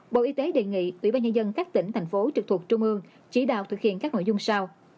bộ y tế đề nghị ủy ban nhân dân các tỉnh thành phố trực thuộc trung ương chỉ đạo thực hiện các nội dung sau